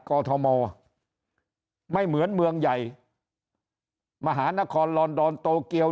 อทมไม่เหมือนเมืองใหญ่มหานครลอนดอนโตเกียว